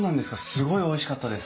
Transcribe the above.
すごいおいしかったです。